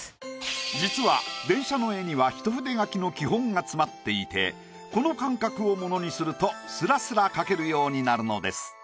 実は電車の絵には一筆書きの基本が詰まっていてこの感覚を物にするとスラスラ描けるようになるのです。